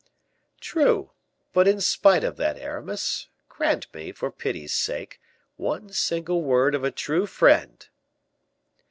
"True; but in spite of that, Aramis, grant me, for pity's sake, one single word of a true friend."